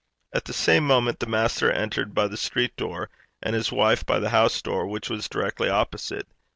At the same moment the master entered by the street door and his wife by the house door, which was directly opposite.